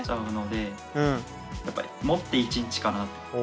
やっぱりもって１日かな。